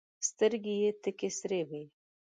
سترګي یې تکي سرې وې !